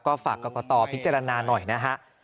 ก็ฝากกรกตพิจารณาหน่อยนะฮะ